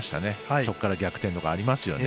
そこから逆転とかありますよね。